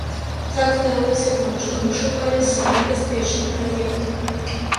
Так здарылася, таму што мы шукалі самы бяспечны праект.